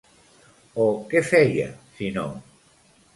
O què feia, si no?